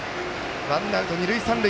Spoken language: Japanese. ワンアウト、二塁三塁。